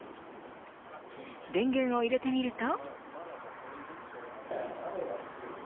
電源を入れてみると。